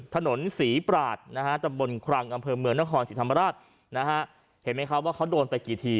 ฐนศรีปราศจังหวัลขรังอำเภอหมื่อนครสิทธรรมราชเห็นไหมครับว่าเขาโดนไปกี่ที